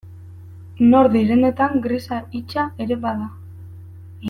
Nor direnetan grisa hitsa ere bada.